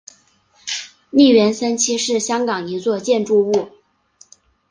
利园三期是香港一座建筑物。